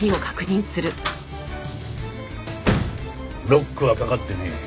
ロックはかかってねえ。